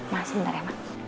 masih sebentar ya mak